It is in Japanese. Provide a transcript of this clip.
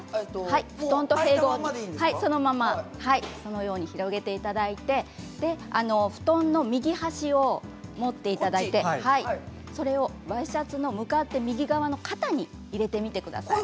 布団と平行に広げていただいて布団の右端を持っていただいてそれをワイシャツの向かって右側の肩に入れてみてください。